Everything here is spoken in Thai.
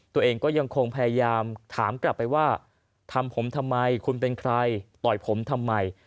ตัวเองก็ยังคงพยายามถามกลับไปว่าทำผมทำไมคุณเป็นใครต่อยผมทำไม